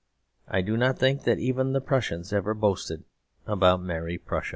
I do not think that even the Prussians ever boasted about "Merry Prussia."